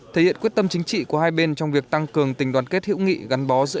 thể hiện quyết tâm chính trị của hai bên trong việc tăng cường tình đoàn kết hữu nghị gắn bó giữa